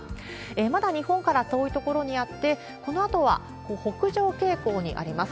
まだ日本から遠い所にあって、このあとは北上傾向にあります。